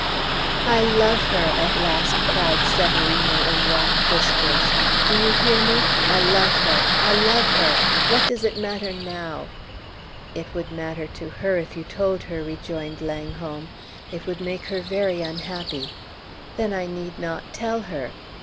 "I love her!" at last cried Severino, in rapt whispers. "Do you hear me? I love her! I love her! What does it matter now?" "It would matter to her if you told her," rejoined Langholm. "It would make her very unhappy." "Then I need not tell her."